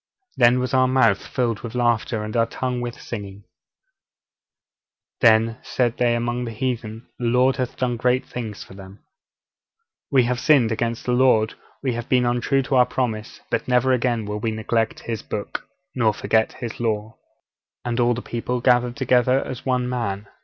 Then was our mouth filled with laughter, and our tongue with singing: then said they among the heathen, The Lord hath done great things for them._' (Verses 1, 2.) 'We have sinned against the Lord, we have been untrue to our promises; but never again will we neglect His Book, nor forget His Law.' '_And all the people gathered themselves together as one man...